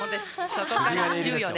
そこから１４年。